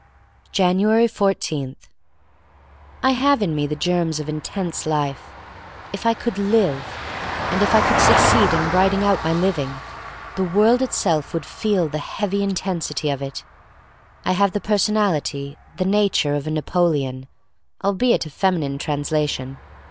January 14* I HAVE in me the germs of intense life. If I could live^ and if I could succeed in writing out my living, the world itself would feel the heavy intensity of it. I have the personality, the nature, of a Napoleon, albeit a feminine transla tion.